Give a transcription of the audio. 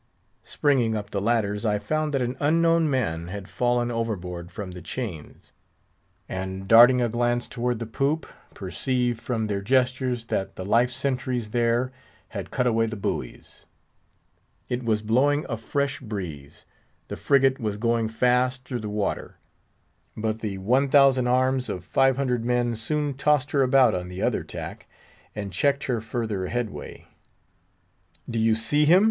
Springing up the ladders, I found that an unknown man had fallen overboard from the chains; and darting a glance toward the poop, perceived, from their gestures, that the life sentries there had cut away the buoys. It was blowing a fresh breeze; the frigate was going fast through the water. But the one thousand arms of five hundred men soon tossed her about on the other tack, and checked her further headway. "Do you see him?"